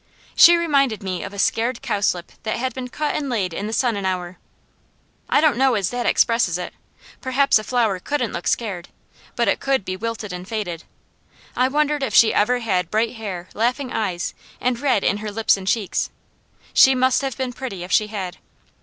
She reminded me of a scared cowslip that had been cut and laid in the sun an hour. I don't know as that expresses it. Perhaps a flower couldn't look scared, but it could be wilted and faded. I wondered if she ever had bright hair, laughing eyes, and red in her lips and cheeks. She must have been pretty if she had.